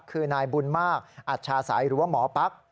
คือนายบุญมากอัชชาศัยหรือว่าหมอปั๊ก